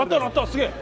すげえ。